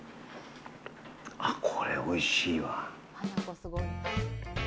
あっ、これ、おいしいわ。